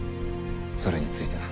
それについてな。